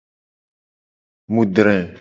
Mu dre.